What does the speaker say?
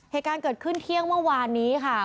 เหตุการณ์เกิดขึ้นเที่ยงเมื่อวานนี้ค่ะ